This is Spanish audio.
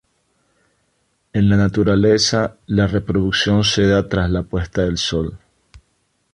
En la naturaleza, la reproducción se da tras la puesta de sol.